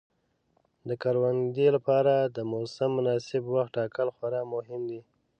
د کروندې لپاره د موسم مناسب وخت ټاکل خورا مهم دي.